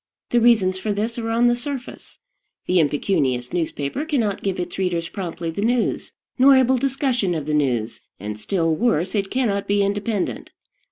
The reasons for this are on the surface. The impecunious newspaper cannot give its readers promptly the news, nor able discussion of the news, and, still worse, it cannot be independent.